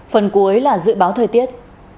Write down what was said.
phần cuối là dự báo thời tiết